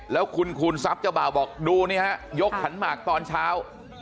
แล้วคุณคูณทรัพย์เจ้าบ่าวบอกดูนี่ฮะยกขันหมากตอนเช้า